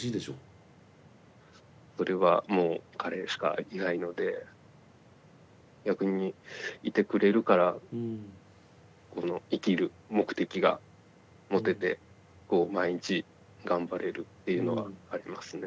それはもう彼しかいないので逆にいてくれるからこの生きる目的が持ててこう毎日頑張れるっていうのはありますね。